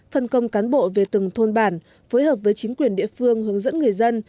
phân công cán bộ về từng thôn bản phối hợp với chính quyền địa phương hướng dẫn người dân